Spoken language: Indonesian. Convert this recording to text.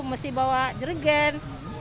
mesti bawa jergen